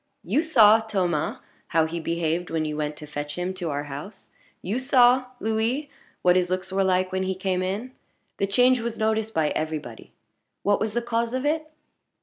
You saw, Thomas, how he behaved when you went to fetch him to our house. You saw, Louis, what his looks were like when he came in. The change was noticed by every body what was the cause of it?